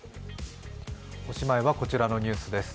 おしまいは、こちらのニュースです。